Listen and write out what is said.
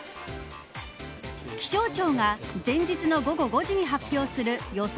気象庁が前日の午後５時に発表する予想